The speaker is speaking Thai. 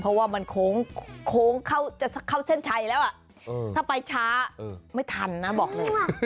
เพราะว่ามันโค้งจะเข้าเส้นชัยแล้วถ้าไปช้าไม่ทันนะบอกเลย